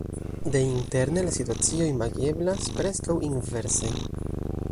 Deinterne la situacio imageblas preskaŭ inverse.